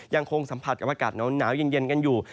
ยังคงสัมผัสกับอากาศหนาวเย็นกันอยู่